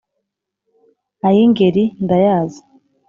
Ay' Ingeri ndayazi,